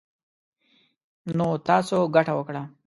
نـو تـاسو ګـټـه وكړه.